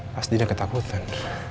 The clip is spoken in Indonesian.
pasti dia ketakutan